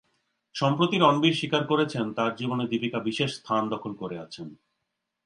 সম্প্রতি রণবীর স্বীকার করেছেন, তাঁর জীবনে দীপিকা বিশেষ স্থান দখল করে আছেন।